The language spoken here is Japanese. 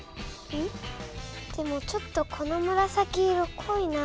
でもちょっとこのむらさき色こいな。